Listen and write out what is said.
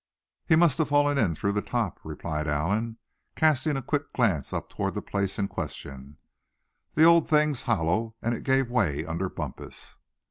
"He must have fallen in through the top," replied Allan, casting a quick glance up toward the place in question. "The old thing's hollow, and it gave way under Bumpus."